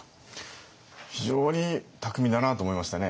非常に巧みだなと思いましたね。